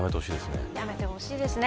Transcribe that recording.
やめてほしいですね。